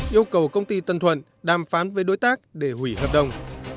yêu cầu công ty tân thuận đàm phán với đối tác để hủy hợp đồng